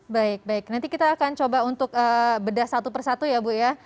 baik baik nanti kita akan coba untuk bedah satu persatu ya bu ya